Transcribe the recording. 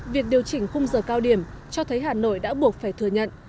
việc điều chỉnh khung giờ cao điểm cho thấy hà nội đã buộc phải thừa nhận